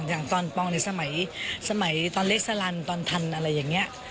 อย่างตอนปองในสมัยตอนเล็กสลันตอนทันอะไรอย่างนี้